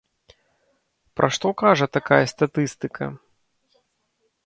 Пра што кажа такая статыстыка?